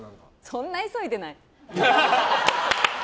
そんな急いでない！